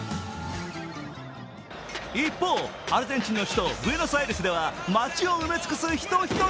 一方、アルゼンチンの首都ブエノスアイレスでは街を埋め尽くす、人・人・人。